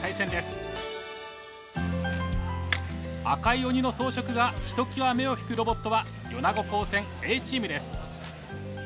赤い鬼の装飾がひときわ目を引くロボットは米子高専Ａチームです。